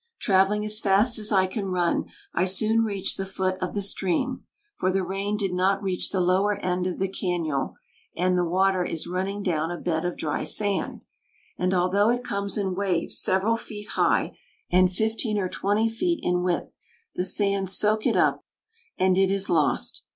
"Traveling as fast as I can run, I soon reach the foot of the stream, for the rain did not reach the lower end of the cañon, and the water is running down a bed of dry sand; and, although it comes in waves several feet high and fifteen or twenty feet in width, the sands soak it up, and it is lost.